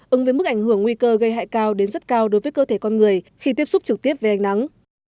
ứng với mức ảnh hưởng nguy cơ gây hại cao đến rất cao đối với cơ thể con người khi tiếp xúc trực tiếp với ánh nắng